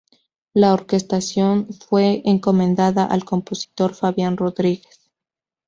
La orquestación fue encomendada al compositor Fabián Rodríguez.